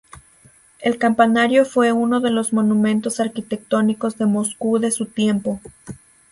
El campanario fue uno de los monumentos arquitectónicos de Moscú de su tiempo.